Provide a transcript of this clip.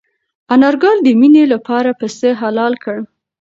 انارګل د مېنې لپاره پسه حلال کړ.